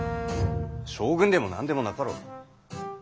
将軍でも何でもなかろう。